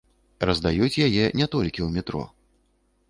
Раздаюць яе не толькі ў метро.